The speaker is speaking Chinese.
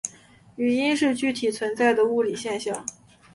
语音是具体存在的物理现象。